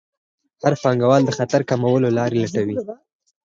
هر پانګوال د خطر کمولو لارې لټوي.